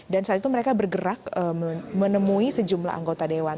dan saat itu mereka bergerak menemui sejumlah anggota dewan